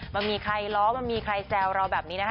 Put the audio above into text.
มันมีใครล้อมันมีใครแซวเราแบบนี้นะคะ